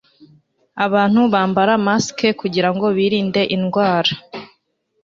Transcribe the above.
Abantu bambara masike kugirango birinde indwara.